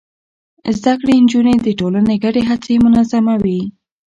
زده کړې نجونې د ټولنې ګډې هڅې منظموي.